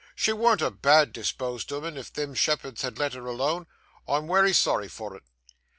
She warn't a bad disposed 'ooman, if them shepherds had let her alone. I'm wery sorry for it.